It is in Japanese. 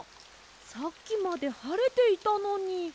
さっきまではれていたのに。